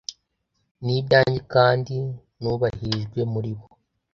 Ni ibyanjye kandi nubahirijwe muri bo